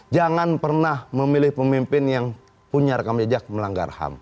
jangan pernah memilih pemimpin yang punya rekam jejak melanggar ham